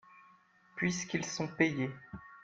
Puisqu'ils sont payés.